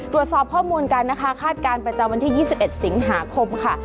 ตรวจสอบข้อมูลกันนะคะคาดการณ์ประจำวันที่๒๑สิงหาคมค่ะ